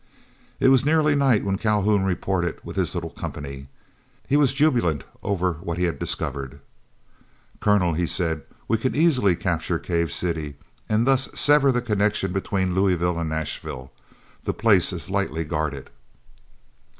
It was nearly night when Calhoun reported with his little company. He was jubilant over what he had discovered. "Colonel," he said, "we can easily capture Cave City, and thus sever the connection between Louisville and Nashville. The place is lightly guarded."